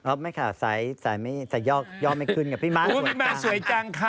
อะไม่ค่ะใส่ยอกไม่ขึ้นพี่ม้าสวยจัง